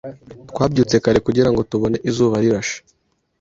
Twabyutse kare kugirango tubone izuba rirashe.